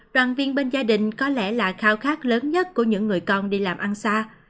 đoàn viên bên gia đình có lẽ là khao khát lớn nhất của những người con đi làm ăn xa